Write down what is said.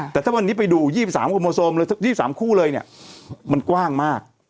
แต่ถ้าวันนี้ไปดู๒๓กุโมโซมเลย๒๓คู่เลยเนี่ยมันกว้างมาก